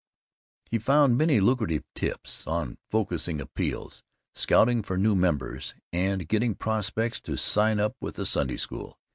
He found many lucrative tips on "Focusing Appeals," "Scouting for New Members," and "Getting Prospects to Sign up with the Sunday School."